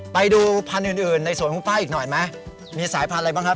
ไปดูพันธุ์อื่นอื่นในสวนของป้าอีกหน่อยไหมมีสายพันธุ์อะไรบ้างครับ